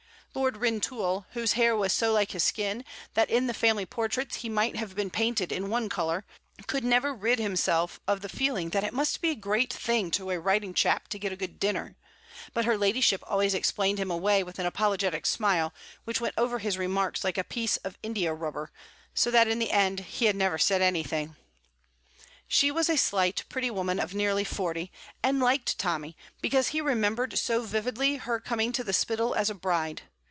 Lord Rintoul, whose hair was so like his skin that in the family portraits he might have been painted in one colour, could never rid himself of the feeling that it must be a great thing to a writing chap to get a good dinner; but her ladyship always explained him away with an apologetic smile which went over his remarks like a piece of india rubber, so that in the end he had never said anything. She was a slight, pretty woman of nearly forty, and liked Tommy because he remembered so vividly her coming to the Spittal as a bride.